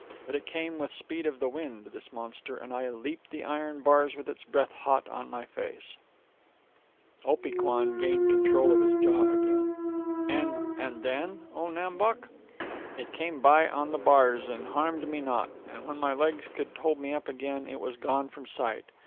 But it came with speed of the wind, this monster, and I leaped the iron bars with its breath hot on my face ..." Opee Kwan gained control of his jaw again. "And and then, O Nam Bok?" "Then it came by on the bars, and harmed me not; and when my legs could hold me up again it was gone from sight.